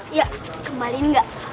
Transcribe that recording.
iya kembalin gak